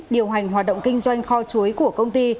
điều hành hoạt động kinh doanh kho chuối của công ty